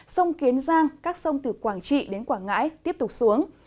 sông kiến giang các sông từ quảng trị đến quảng ngãi tiếp tục xuống